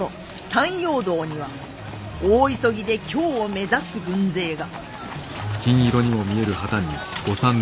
山陽道には大急ぎで京を目指す軍勢が。